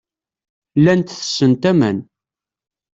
Llant tessent aman.